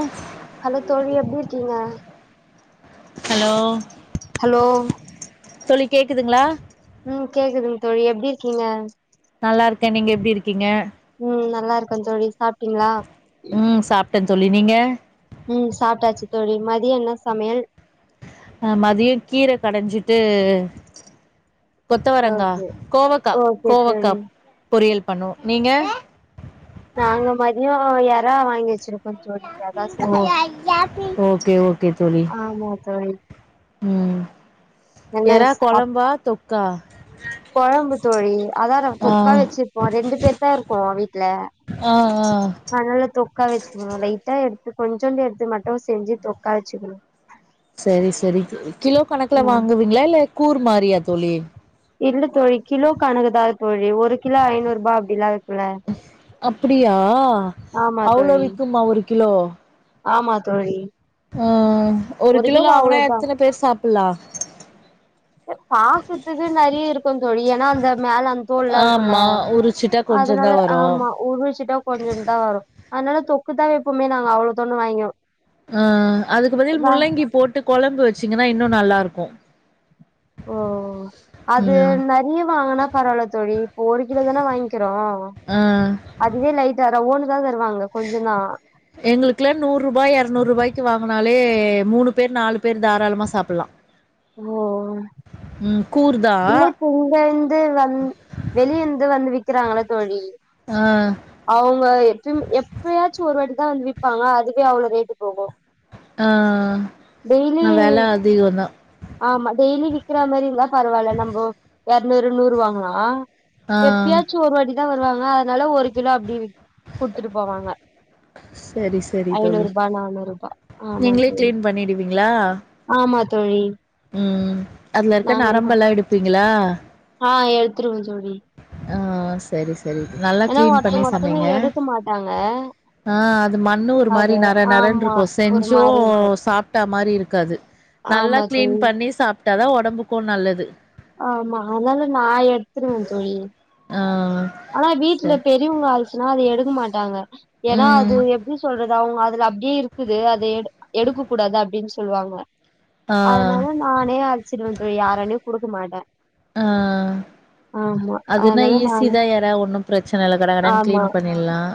ம் ஹலோ தோழி எப்டி இருக்கீங்க ஹலோ ஹலோ தோழி கேக்குதுங்ளா ம் கேக்குதுங் தோழி எப்டி இருக்கீங்க நல்லா இருக்க நீங்க எப்டி இருக்கீங்க ம் நல்லா இருக்கே தோழி சாப் ம் சாப்ட்ட தோழி நீங்க ம் சாப்ட்டாச்சு தோழி மதிய என்ன சமையல் ஆ மதிய கீர கடஞ்சிட்டு கொத்தவரங்கா ஓகே கோவக்கா ஓகே கோவக்கா தோழி பொறியல் பண்ணோ நீங்க நாங்க மதியோ எறா வாங்கி வச்சிருக்கோ தோழி அதா ஓ செய்யணு ஓகே ஓகே தோழி ஆமா தோழி ம் என்ன எறா சாப் கொழம்பா தொக்கா கொழம்பு தோழி அதா நா ஆ தொக்கா வச்சிருப்போ ரெண்டு பேர் தா இருக்கோ வீட்ல ஆ ஆ அனால்ல தொக்கா வச்சுக்கணு லைட்டா எடுத்து கொஞ்சோண்டு எடுத்து மட்டு செஞ்சு தொக்கா வச்சுக்கணு சரி சரி தோழி கிலோ கணக்குல ம் வாங்குவீங்களா இல்ல கூர் மாரியா தோழி இல்ல தோழி கிலோ கணகுதா தோழி ஒரு கிலோ ஐநூறு ரூபா அப்டிதா அப்டியா ஆமா அவ்ளோ தோழி விக்குமா ஒரு கிலோ ஆமா தோழி ஆ ஒரு கிலோ வாங்குனா எத்தன பேர் சாப்பலா பாக்குறதுக்கு நெறைய இருக்கு தோழி ஏன்னா அந்த மேல அந்த தோல் எல்லா இருக்குல ஆமா உரிச்சிட்டா கொஞ்சந்தா அதனால வரு ஆமா உருவிச்சிட்டா கொஞ்ச தா வரு அதனால தொக்குதா எப்பவுமே நாங்க அவ்வளவு தோ வாங்கிவோ அ அதுக்கு பதில் அதா முள்ளங்கி போட்டு கொழம்பு வச்சீங்கன்னா இன்னு நல்லா இருக்கு ஓ அது நெறைய வாங்குனா பரவால தோழி இப்ப ஒரு கிலோ தான வாங்கிக்கிறோ ஆ அதுவே லைட்டா ரவ்வோன்டுதா தருவாங்க கொஞ்சதா எங்களுக்குலா நூறுபா எறநூறுூபாய்க்கு வாங்குனாலே மூணு பேர் நாலு பேர் தாராளமா சாப்புல்லா ஓ ம் கூர்தா இல்ல இப்ப இங்க இருந்து வந் வெளிய இருந்து வந்து விக்கிறாங்கள தோழி ஆ அவுங்க எப்பயு எப்பயாச்சு ஒரு வாட்டி தா வந்து விப்பாங்க அதுவே அவ்ளோ ரேட்டு போகு ஆ டெய்லி ஆனா வெல அதிக தா ஆமா டெய்லி விக்கிற மாரி இருந்தா பரவால்ல நம்ம எரநூறு நூறுவாங்களா ஆ எப்பயாச்சு ஒரு வாட்டிதா வருவாங்க அதுனால ஒரு கிலோ அப்டி குடுத்துட்டு போவாங்க சரி சரி தோழி ஐநூறுபா நானூறுபா ஆமா நீங்களே தோழி க்ளீன் பண்ணிடுவீங்களா ஆமா தோழி ம் அதுல இருக்க நாங்களேதா நரம்பெல்லா எடுப்பீங்களா ஆ எடுத்துருவே தோழி ஆ சரி சரி நல்லா ஏன்னா கிளீன் பண்ணி ஒருத்தவங்க ஒருத்தவங்க சமைங்க எடுக்க மாட்டாங்க ஆ அது மண்ணூ அத ஒருமாரி நற நறன்னு ஆமா இருக்கு ஒரு செஞ்சு மாரி இருக்கு சாப்டா மாரி இருக்காது நல்லா ஆமா தோழி கிளீன் பண்ணி சாப்டாதா ஒடம்புக்கு நல்லது ஆமா அதுனால நா எடுத்துருவே தோழி ஆ ஆனா வீட்ல ச பெரியவுங்க ஆசுன்னா அது எடுக்க மாட்டாங்க ஏனா அது ம் எப்டி சொல்றது அவுங்க அது அது அப்டியே இருக்குது அத எடுக் எடுக்க கூடாது அப்டின்னு சொல்லுவாங்க ஆ அதுனால நானே அரச்சிடுவ தோழி யாரான்டயும் குடுக்க மாட்ட ஆ அதுனா அதனால ஈஸி நானு தா யாரா ஒண்ணும் பிரச்சன இல்ல கட கடன்னு ஆமா கிளீன் பண்ணிலாம்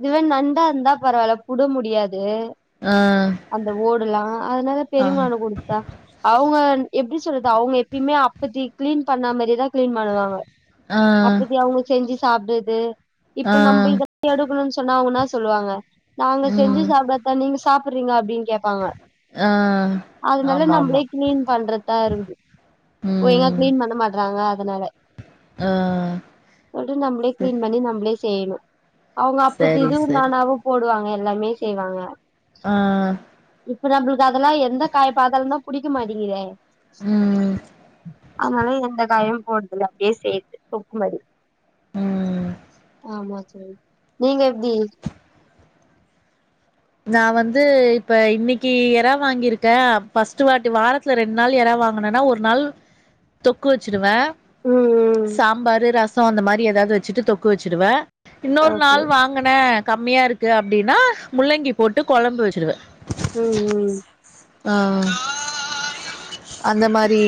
இதுவே நண்டா இருந்தா பரவால்ல புட முடியாது ஆ அந்த ஓடுல்லாம் அதனால ஆ பெரிம்மாட்ட குடுத்தா அவுங்க எப்டி சொல்றது அவுங்க எப்பயுமே அப்பத்தி கிளீன் பண்ண மாரி தா கிளீன் பண்ணுவாங்க ஆ அப்பத்து அவுங்க செஞ்சு சாப்புட்றது ஆ இப்ப நம்ம இத எடுக் கனுன்னு சொன்னா அவுங்க என்னா சொல்லுவாங்க நாங்க செஞ்சு ம் சாப்பிடாதத்தா நீங்க சாப்புட்றீங்க அப்புடின்னு கேப்பாங்க ஆ அதுனால ஆமா ஆமா நம்மளே கிளீன் பண்றதா இருக்குது போய் ம் கிளீன் பண்ண மாட்றாங்க அதுனால ஆ சொல்டு நம்ளே கிளீன் பண்ணி நம்ளே செய்யணும் அவுங்க அப்பத்தி சரி இதுவும் சரி நானாவும் போடுவாங்க எல்லாமே செய்வாங்க ஆ இப்ப நம்மளுக்கு அதெல்லாம் எந்த காய பாத்தாலு தா புடிக்க மாட்டேங்குதே ம் அதனால எந்த காயும் போடுதுல அப்டியே சேத்து தொக்குமாதி ம் ஆமா தோழி நீங்க எப்டி நா வந்து இப்ப இன்னைக்கி எறா வாங்கியிருக்க ஃபர்ஸ்ட் வாட்டி வார த்துல ரெண்டு நாள் எறா வாங்குனன்னா ஒரு நாள் தொக்கு வச்சுருவ ம் ம் சாம்பாரு ரசம் அந்த மாரி ஏதாவது வச்சுட்டு தொக்கு வச்சிடுவ இன்னொரு ஓகே நாள் வாங் குன கம்மியா இருக்கு அப்டின்னா முள்ளங்கி போட்டு கொழம்பு வச்சிடுவ ம் ம் சேரி சேரி ஆ அந்த மாரி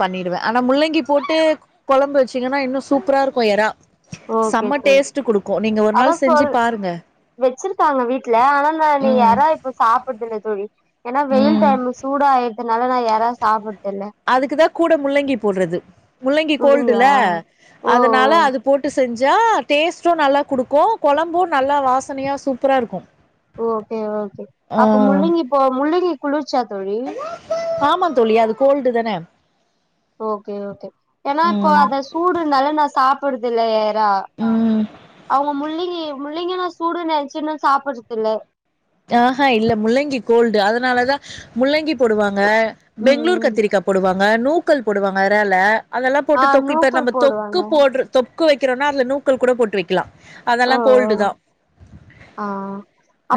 பண்ணிடுவ ஆனா முள்ளங்கி போட்டு கொழம்பு வச்சிங்கன்னா இன்னும் சூப்பரா இருக்கும் எறா ஓகே செம்ம தோழி டேஸ்ட் குடுக்கும் நீங்க ஒரு அதா நாள் செஞ்சு சொல் பாருங்க வச்சிருக்காங்க வீட்டுல ஆனா நானு ம் எறா இப்ப சாப்பிட்றது இல்ல தோழி ஏன்னா வெயில் ம் டைமு சூடா ஆயிறதுனால நா எறா சாப்புட்றதுல அதுக்குதா கூட முள்ளங்கி போட்றது முள்ளங்கி முள்ளங்கியா கோல்டுல ஓ அதனால அது போட்டு செஞ்சா டேஸ்ட்டும் நல்லா குடுக்கும் கொழம்பும் நல்லா வாசனையா சூப்பரா இருக்கும் ஓகே ஓகே அப்ப முள்ளங்கி போ முள்ளங்கி குளிர்ச்சியா தோழி ஆமா தோழி அது கோல்டு தானே ஓகே ஓகே ஏன்னா இப்போ ம் அத சூடுனால நா சாப்புடுறது இல்ல தா ம் அவுங்க முள்ளங்கி முள்ளிங்களா சூடு நினைச்சு நா சாப்புடுறது இல்ல ஆஹா இல்ல முள்ளங்கி கோல்டு அதனாலதா முள்ளங்கி போடுவாங்க ம் பெங்களூர் ம் கத்திரக்கா போடுவாங்க நூக்கல் போடுவாங்க எறால அதெல்லாம் ஆ போட்டு தொக்கு இப்ப நூக்கல் நம்ம தொக்கு போடுவாங்க போடுற தொக்கு வைக்கிறோனா அதுல நூக்கல் கூட போட்டு வைக்கலாம் ஓ ஓ அதெல்லாம் கோல்டு தா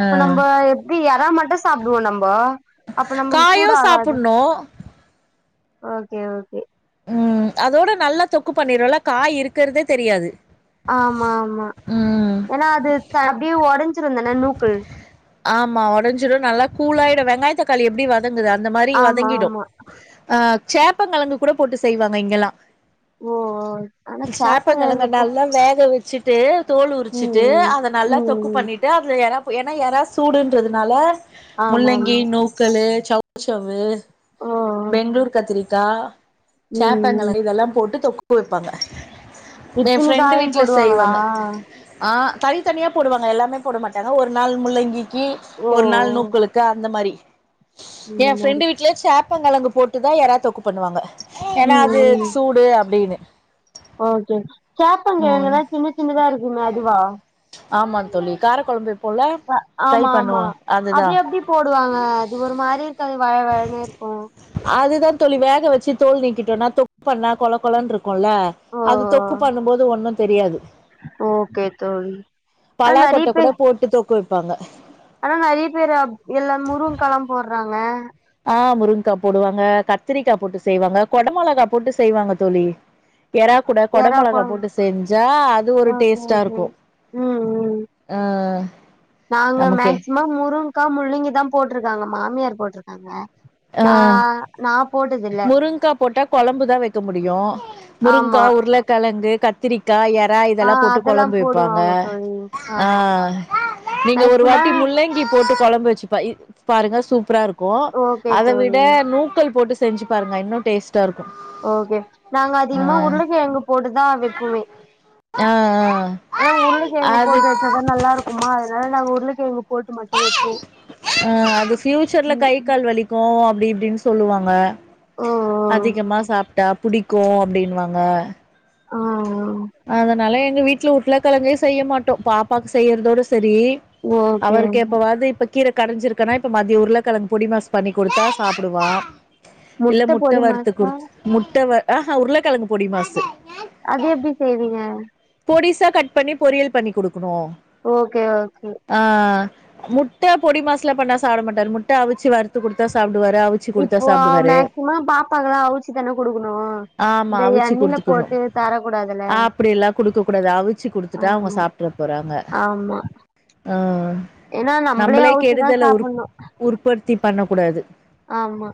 ஆ இப்ப எப்படி ஏறா மட்டும் சாப்புடுவோம் நம்ம அப்ப நம்மக்கு சூட காயோ ஆகாது சாப்புட்ணு ஓகே ஓகே உம் அதோட நல்லா தொக்கு பண்ணிரோல காய் இருக்குறதே தெரியாது ஆமா ஆமா ம் ஏன்னா அது அப்படியே உடைஞ்சிருந்தான நூக்கல் ஆமா உடஞ்சிடும் நல்லா கூளாயிடும் வெங்காய தக்காளி எப்படி வதங்குது அந்த மாரி ஆமா வதங்கிடும் ஆமா ஆ சேப்ப கிழங்கு கூட போட்டு செய்வாங்க இங்கல்லா ஓ ஓ ஆனா சேப்ப கிழங்க சேப்பங்கெழங்கு நல்லா வேக வச்சு தோல் ம் உரிச்சிட்டு ம் அத நல்லா ம் தொக்கு ம் பண்ணிட்டு அதுல எறாபோ ஏனா எறா சூடுன்றதுனால ஆமா முள்ளங்கி ஆமா நூக்கல் சௌச்சவு ஓ ஓ பெங்களூர் கத்திரிக்கா ம் ம் சேப்பங்கிழங்கு இதெல்லா போட்டு தொக்கு குடுப்பாங்க ஏ இத்தினி ஃப்ரெண்டு காயும் வீட்ல போடுவாங்களா செய்வாங்க ஆ தனித்தனியா போடுவாங்க எல்லாமே போட மாட்டாங்க ஒரு நாள் முள்ளங்கிகி ஓ ஓ ஒரு நாள் நூக்களு அந்த மாரி ஏ இந்த மாரி பிரெண்டு் வீட்ல சேப்ப கிழங்கு போட்டுதா எறா தொக்கு பண்ணுவாங்க ஏனா ம் அது ம் சூடு அப்டின்னு ஓகே ம் சேப்பங்கெழங்குனா சின்ன சின்னதா இருக்குமே அதுவா ஆமா தோழி கார குழம்பு ஆமா ஆமா அது எப்டி போடுவாங்க அது ஒரு மாரி இருக்காது வழழனு இருக்கு அதுதா தோழி வேக வச்சு தோல் நீக்கிட்டோனா தொக்கு பண்ணா கொழ கொழன்னுருக்கு இருக்குல ஓ ஓ அது தொக்கு பண்ணும்போது ஒன்னு தெரியாது ஓகே தோழி ஆனா பலா நெறைய கொட்ட கூட பேர் போட்டு தொக்கு வைப்பாங்க ஆனா நெறைய பேர் எல்லா முருங்க்காலா போடுறாங்க ஆ முருங்கா போடுவாங்க கத்திரிக்கா போட்டு செய்வாங்க குடமொளகாய் போட்டு செய்வாங்க தோழி எறா கூட கொட எறா மிளகா கொழம்பு போட்டு செஞ்சா அது ஒரு ஓகே ஓகே டேஸ்ட்டாருக்கு ம் ம் ஆ நாங்க நமக்கே மேக்சிமம் முருங்காய் முள்ளங்கி தா போட்ருக்காங்க மாமியார் போட்ருக்காங்க ஆ நா நா போட்டதில்ல முருங்கா போட்டா கொழம்புதா வைக்க முடியு ஆமா முருங்க்கா உருளக்கெழங்கு கத் திரிக்காய் எறா ஆ இதெல்லா போட்டு அதெல்லா கொழம்பு வைப்பாங்க போடுவாங்க தோழி ஆ ஆமா நீங்க ஒரு வாட்டி மேக்சிமம் முள்ளங்கி போட்டு கொழம்பு வெச்சு பாய் பாருங்க சூப்பராருக்கு ஓகே அத விட தோழி நூக்கல் போட்டு செஞ்சு பாருங்க இன்னு டேஸ்ட்டாருக்கு ஓகே நாங்க அதிகமா உருளக்கெழங்கு போட்டுதா வைப்பமே ஆ ஆ ஏனா உருளக்கெழங்கு அது போட்டு வச்சாக்கா நல்லா இருக்குமா அதனால நாங்க உருளைக்கிழங்கு போட்டு மட்டு அ வெப்போ அது ஃபியூச்சர்ல ம் கை கால் வலிக்கு அப்டி இப்டின்னு சொல்லுவாங்க ஓ அதிகமா சாப்ட்டா புடிக்கு அப்டினுவாங்க ஆ அதனால எங்க வீட்ல உருளக்கெழங்கே செய்ய மாட்டோ பாப்பாக்கு செய்யறதோட சரி ஓகே அவருக்கு எப்பவாது இப்ப கீர கடஞ்சிருக்கனா இப்ப மதியோ உருளக்கெழங்கு பொடி மாஸ் பண்ணிக்கொடுத்தா சாப்டுவா இல்ல முட்ட பொடி வர்த்து மசா குடுத்து முட்ட வ ஆஹ உருளக்கெழங்கு பொடி மாசு அது எப்டி செய்வீங்க பொடிசா கட் பண்ணி பொறியல் பண்ணி குடுக்னோ ஓகே ஓகே அ முட்ட பொடி மாஸ்லா பண்ணா சாப்ட மாட்டாரு முட்ட அவிச்சு வறுத்து குடுத்தா சாப்டுவாரு அவி இப்போ மேக்சிமம் பாப்பாக்கல்லா அவுச்சி தான குடுக்னோ ஆமா இந்த அவிச்சு எண்ணெய்ல குடுத்துக்கணு போட்டு தரக்கூடாதுல அப்டில்லா குடுக்க கூடாது அவிச்சி குடுத்துட்டா அவுங்க ஆமா சாப்ட்ற போறாங்க ஆமா அ அ ஏன்னா நம்பளே நம்மளே அவுச்சுதா கெடுதல உ சாப்புட்ணு உற்பத்தி பண்ண கூடாது ஆமா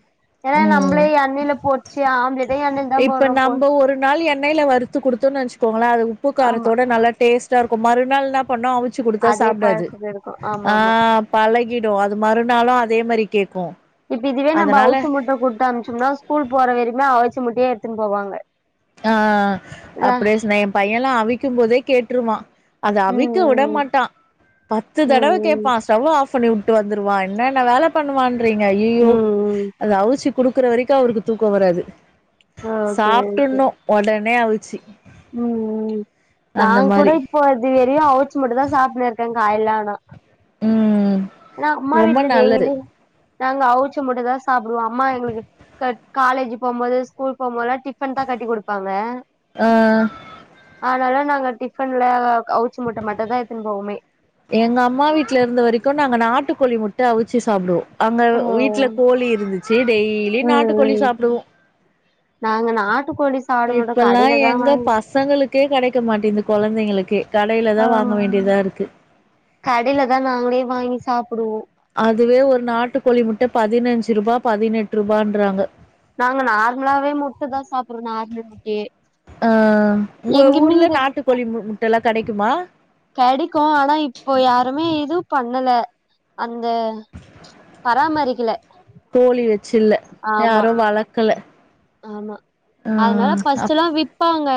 ஏனா நம்மளே ம் எண்ணெய்ல பொறிச்சு ஆம்ளேட்டே எண்ணெய்ல தா போடுறோ போ ஒர் நாள் எண்ணெய்ல வருத்து குடுத்துன்னு வச்சுக்கோங்ளே அது ஆமா உப்புக்காரத்தோட நல்லா டேஸ்டா இருக்கோ மறுநாள் இன்னா பண்னோ அவு வச்சு குடுத்தா அதே சாப்டாது பழக்கத்துல இருக்கோ ஆமா அ ஆமா பழகிடு அது மறுநாளு அதே மாரி கேக்கு இப்ப இதுவே நம்ம அதனால அவுச்ச முட்ட குடுத்தம்சோம்னா ஸ்கூல் போற வரையுமே அவுச்ச முட்டயே எடுத்துனு போவாங்க அ அ இல்ல அப்டியே சொன்ன ஏ பையல்லா அவிக்கும் போதே கேட்டுருவா அத அவிக்க விட ம் மாட்டா பத்து ம் தடவ கேப்பா ம் ஸ்டவ் ஆஃப் பண்ணி உட்டு வந்துருவா என்னன்ன வேல பண்ணுவான்றீங்க ம் ஐயய்யோ ம் ம் அது அவுச்சு குடுக்குற வரைக்கோ அவருக்கு தூக்கோ வராது அ ஓகே ஓகே சாப்ட்டுன்னு ஒடனே அவுச்சி ம் ம் நாங் கூட மாரி இப்போது வரையு அவுச்ச முட்ட தா சாப்ட்டுன்னு இருக்க காலையில ஆனா ம் ம் ஏன்னா அம்மா ரொம்ப வீட்ல நல்லது டெய்லியு நாங்க அவுச்ச முட்ட தா சாப்டுவோ அம்மா எங்களுக்கு க காலேஜ் போகும்போது ஸ்கூல் போகும்போதுல்லா டிஃபன் தா கட்டி குடுப்பாங்க ஆ அதனால நாங்க டிஃபன்ல அவுச்ச முட்ட மட்டு தா எத்துன்னு போவோமே எங்க அம்மா வீட்ல இருந்த வரைக்கோ நாங்க நாட்டுக்கோழி முட்ட அவுச்சி சாப்டுவோ அங்க ஓ வீட்ல கோழி இருந்துச்சு டெய்லி ம் நாட்டுக்கோழி ம் சாப்டுவோ நாங்க நாட்டு கோழி இப்பல்லா எங்க பசங்களுக்கே கெடைக்க மாட்டேங்குது கொழந்தைங்களுக்கே கடையில தா வாங்க வேண்டியதா இருக்கு கடையில தா நாங்ளே வாங்கி சாப்டுவோ அதுவே ஒரு நாட்டுக்கோழி முட்ட பதினஞ்சி ரூபா பதினெட்டு ரூபான்றாங்க நாங்க நார்மலாவே முட்ட தா சாப்புறோ நார்மல் முட்டயே அ உங்க எங்கயுமே ஊர்ல இங்க நாட்டுக்கோழி முட்டல்லா கெடைக்குமா கடிக்கோ ஆனா இப்போ யாருமே இதுவு பண்ணல அந்த பராமரிக்கல கோழி வச்சில்ல ஆமா யாரோ வளக்கல ஆமா ஆ அதனால ஃபர்ஸ்ட் அப் எல்லா விப்பாங்க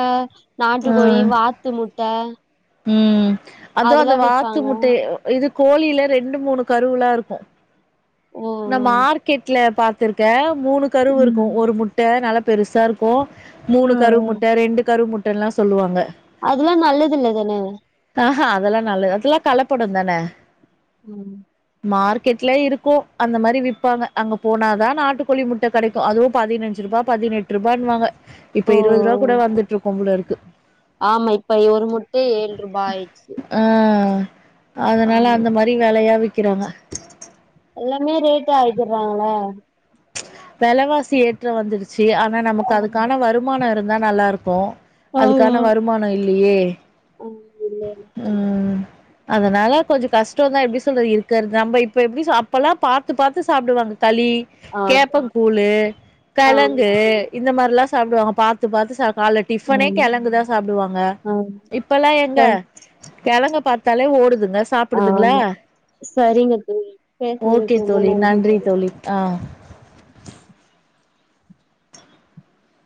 ஆ நாட்டுக்கோழி வா த்து முட்ட ம் அதுவு அந்த அதெல்லா வாத்து விப்பாங்க முட்டய இது கோழியில ரெண்டு மூணு கருவுலா இருக்கோ ஓ நா மார்க்கெட்ல பாத்துருக்க மூணு ஓ கருவு இருக்கோ ம் ஒரு முட்ட நல்லா பெருசா இருக்கோ ஆ மூணு ஆ கரு முட்ட ரெண்டு கரு முட்டன்ல்லா சொல்லுவாங்க அதுல்லா நல்லது இல்ல தான ஆஹா அதெல்லா நல்லது அதெல்லா கலப்படோ தான ம் மார்க்கெட்லே இருக்கோ அந்த மாரரி விப்பாங்க அங்க போனாதான் நாட்டுக்கோழி முட்டை கிடைக்கும் அதுவும் பதினஞ்சு ரூபா பதினெட்டு ரூபாயனுவாங்க இப்ப ஓ இருபது ரூபா கூட வந்துட்டு இருக்கும் போல இருக்கு ஆமா இப்ப ஒரு முட்டை ஏழு ரூபாய் ஆயிடுச்சு ஆ அதனால ஆமா அந்த மாதிரி வேலையா விக்கறாங்க எல்லாமே ரேட்டா ஆக்கிடுறாங்களா விலைவாசி ஏற்ற வந்துடுச்சு ஆனா நமக்கு ஆமா அதுக்கான வருமானம் இருந்தா நல்லா இருக்கும் அதுக்கான வருமானம் இல்லையே ம் இல்ல சண்ட ம். அதனால கொஞ்சம் கஷ்டம் தான் எப்டி சொல்றது இருக்க நம்ம இப்ப எப்டி அப்பெல்லாம் பார்த்து பார்த்து சாப்பிடுவாங்க கலி ஆமா கேப்பன் கூூழ் ஆமா கிழங்கு தோழி இந்த மாரிலாம் சாப்டுவாங்க பாத்து பாத்து கால்ல டிஃபனே ஆமா கிழங்குதான் சாப்டுவாங்க ஆமா இப்பல்லாம் ச எங்க கெழங்கு பாத்தாலே ஓடுதுங்க சாப்டுதுங்களா ஆமா சரிங்க தோழி ஓகே பேசுனதுக்கு ரொம்ப தோழி நன்றி தோழி ஆ